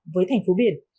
với thành phố biển